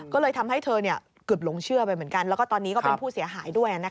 ก็เลยทำให้เธอเกือบหลงเชื่อไปเหมือนกันแล้วก็ตอนนี้ก็เป็นผู้เสียหายด้วย